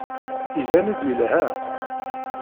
Iban-d yelha.